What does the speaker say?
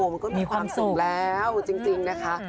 มันก็มีความสุขแล้วจริงนะคะ